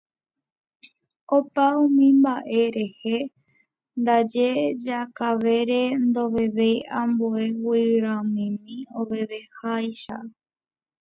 Opa umi mba'e rehe ndaje Jakavere ndovevéi ambue guyramimi oveveháicha.